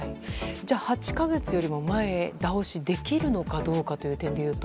８か月よりも前倒しできるのかどうかという点でいうと？